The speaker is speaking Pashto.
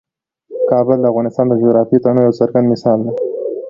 کابل د افغانستان د جغرافیوي تنوع یو څرګند مثال دی.